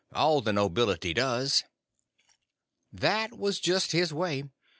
All the nobility does." That was just his way.